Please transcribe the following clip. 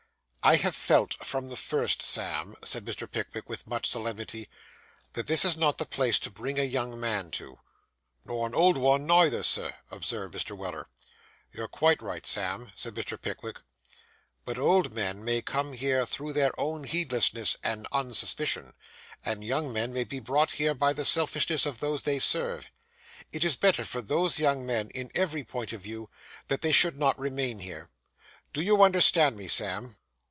'I have felt from the first, Sam,' said Mr. Pickwick, with much solemnity, 'that this is not the place to bring a young man to.' 'Nor an old 'un neither, Sir,' observed Mr. Weller. 'You're quite right, Sam,' said Mr. Pickwick; 'but old men may come here through their own heedlessness and unsuspicion, and young men may be brought here by the selfishness of those they serve. It is better for those young men, in every point of view, that they should not remain here. Do you understand me, Sam?